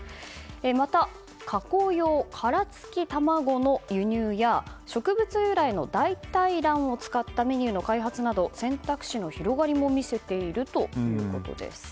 また、加工用殻付き卵の輸入や植物由来の代替卵を使ったメニューの開発など選択肢の広がりも見せているということです。